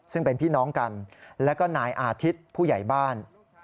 ซึ่งเป็นพี่น้องกันแล้วก็นายอาทิตย์ผู้ใหญ่บ้าน